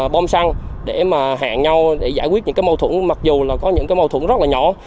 bom xăng để mà hẹn nhau để giải quyết những cái mâu thuẫn mặc dù là có những cái mâu thuẫn rất là nhỏ